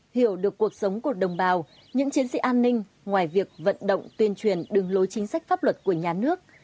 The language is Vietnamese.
hiểu được cuộc sống của đồng bào những chiến sĩ an ninh ngoài việc vận động tuyên truyền đường lối chính sách pháp luật của nhà nước